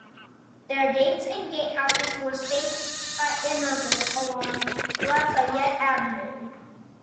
Their gates and gatehouses were spaced at intervals along Lafayette Avenue.